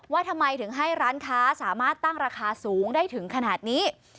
ว่าทำไมถึงให้ร้านค้าสามารถตั้งราคาสูงได้ถึงขนาดนี้